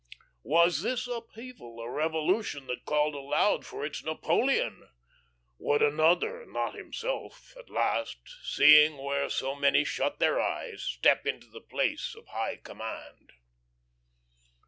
Was this upheaval a revolution that called aloud for its Napoleon? Would another, not himself, at last, seeing where so many shut their eyes, step into the place of high command?